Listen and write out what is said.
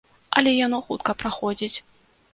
Але яно хутка праходзіць.